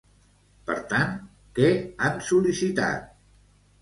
Per tant, què han sol·licitat?